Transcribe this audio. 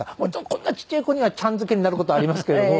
こんなちっちゃい子には「ちゃん」付けになる事はありますけれども。